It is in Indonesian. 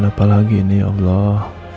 coba apa lagi ini ya allah